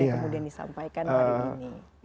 yang kemudian disampaikan hari ini